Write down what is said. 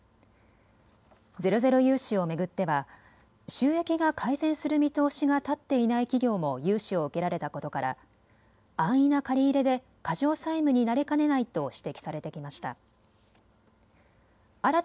ゼロゼロ融資を巡っては収益が改善する見通しが立っていない企業も融資を受けられたことから安易な借り入れで過剰債務になりかねないと指摘されてきました。